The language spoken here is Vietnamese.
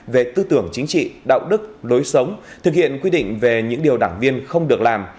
về tư tưởng chính trị đạo đức lối sống thực hiện quy định về những điều đảng viên không được làm